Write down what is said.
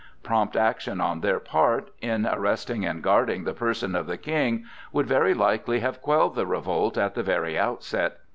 Prompt action on their part, in arresting and guarding the person of the King, would very likely have quelled the revolt at the very outset.